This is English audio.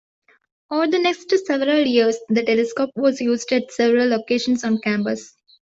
Over the next several years the telescope was used at several locations on campus.